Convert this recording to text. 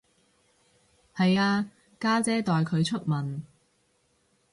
係啊，家姐代佢出文